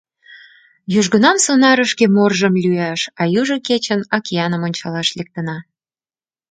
Южгунам сонарышке моржым лӱяш, а южо кечын океаным ончалаш лектына.